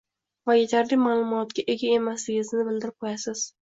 va yetarli ma’lumotga ega emasligingizni bildirib qo‘yasiz.